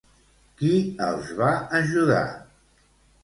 Qui els va ajudar?